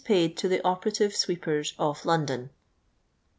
\ID TO THE OPERATIVE SWEEPERS OF LONDON.